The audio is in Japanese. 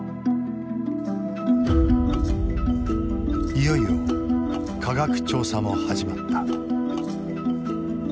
いよいよ科学調査も始まった。